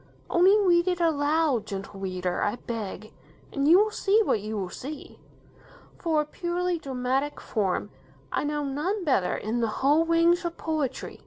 Only read it aloud, Gentle Reader, I beg, and you will see what you will see. For a purely dramatic form, I know none better in the whole range of poetry.